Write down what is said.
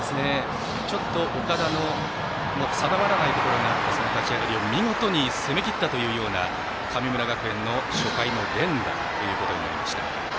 ちょっと岡田の定まらないところがあったその立ち上がりを見事に攻めきったというような神村学園の初回の連打ということになりました。